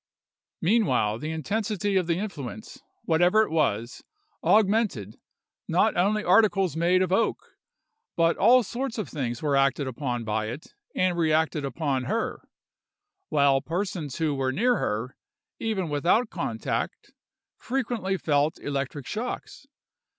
Meanwhile, the intensity of the influence, whatever it was, augmented; not only articles made of oak, but all sorts of things were acted upon by it and reacted upon her, while persons who were near her, even without contact, frequently felt electric shocks.